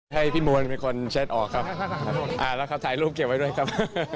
ให้พี่มวลเป็นคนแชทออกครับอ่าแล้วเขาถ่ายรูปเก็บไว้ด้วยครับ